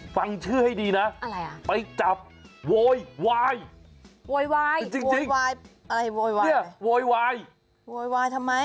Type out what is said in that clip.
ฟังชื่อให้ดีนะไปจับโวยวายจริงโวยวายโวยวายโวยวายทำไม